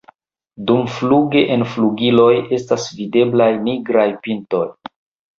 Dumfluge en flugiloj estas videblaj nigraj pintoj.